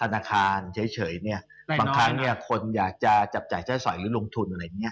บางครั้งเนี่ยความที่เราอยากจะจับจ่ายใช้สอยไม่ร่วมรุงธุน